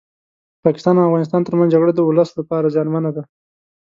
پاکستان او افغانستان ترمنځ جګړه ولس لپاره زيانمنه ده